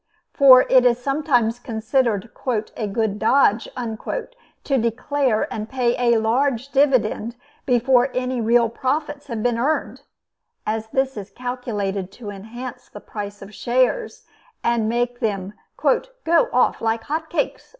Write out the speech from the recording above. For it is sometimes considered "a good dodge" to declare and pay a large dividend before any real profits have been earned; as this is calculated to enhance the price of shares, and to make them "go off like hot cakes."